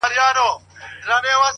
عاقل نه سوې چي مي څومره خوارۍ وکړې.